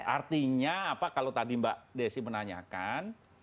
artinya apa kalau tadi mbak desi menanyakan